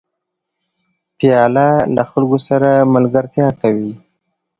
پیاله له خلکو سره ملګرتیا کوي.